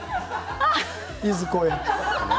いずこへ？